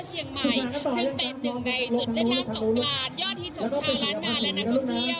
ซึ่งเป็นหนึ่งในจุดเล่นร้ำส่งปราณยอดที่สงชาล้านนานและนักท่องเที่ยว